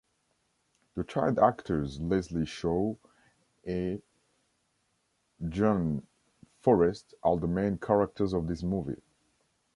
The child actors Leslie Shaw e Jean Forest are the main characters of this movie.